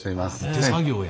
手作業や。